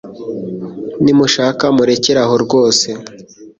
Nimushaka murekere aho rwose